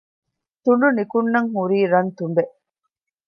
ތުނޑު ނިކުންނަން ހުރީ ރަން ތުނބެއް